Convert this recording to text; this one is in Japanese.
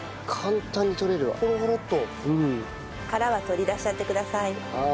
殻は取り出しちゃってください。